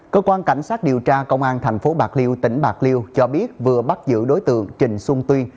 cơ quan cảnh sát điều tra công an thành phố bạc liêu tỉnh bạc liêu cho biết vừa bắt giữ đối tượng trình xuân tuyên